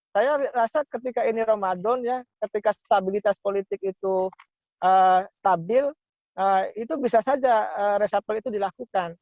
saya rasa ketika ini ramadan ya ketika stabilitas politik itu stabil itu bisa saja reshuffle itu dilakukan